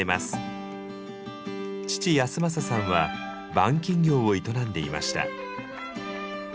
父安正さんは板金業を営んでいました。